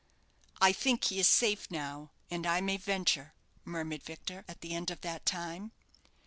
"I think he is safe now and I may venture," murmured Victor, at the end of that time.